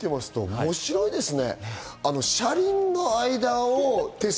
面白いですね。